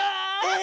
え⁉